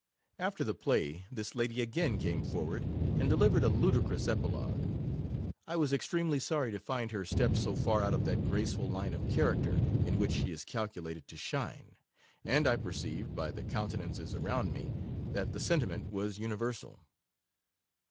After the play, this lady again came for ward, and delivered a ludicrous epilogue. I was extremely sorry to find her step so far out of that graceful line of character, in which she is calculated to shine ; and I perceived, by the countenances around me, that the sentiment was universal.